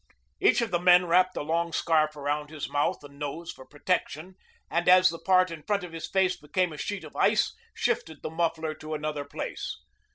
Each of the men wrapped a long scarf around his mouth and nose for protection, and as the part in front of his face became a sheet of ice shifted the muffler to another place.